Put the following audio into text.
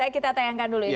kita tayangkan dulu ya